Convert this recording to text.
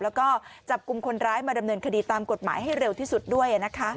แล้วก็จับกลุ่มคนร้ายมาดำเนินคดีตามกฎหมายให้เร็วที่สุดด้วยนะคะ